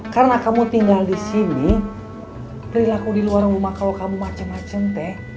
karena kamu tinggal di sini perilaku di luar rumah kalau kamu macem macem teh